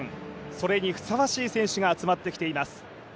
それにふさわしい選手が集まってきています。